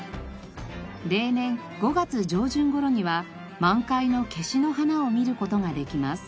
例年５月上旬頃には満開のケシの花を見る事ができます。